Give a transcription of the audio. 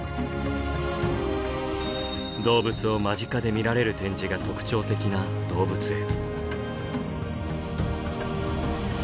動物を間近で見られる展示が特徴的な動物園。